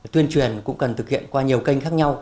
tuyên truyền cũng cần thực hiện qua nhiều kênh khác nhau